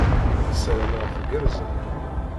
Sarameɣ teggerzeḍ.